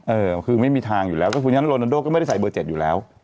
เออคือไม่มีทางอยู่แล้วก็คือฉะนั้นโรนันโดก็ไม่ได้ใส่เบอร์๗อยู่แล้ว